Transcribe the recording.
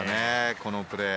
このプレー。